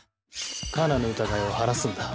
カナの疑いを晴らすんだ。